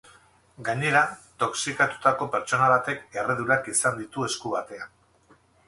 Gainera, toxikatutako pertsona batek erredurak izan ditu esku batean.